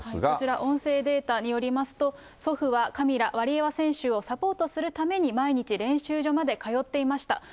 こちら、音声データによりますと、祖父はカミラ、ワリエワ選手をサポートするために、毎日練習所まで通っていました。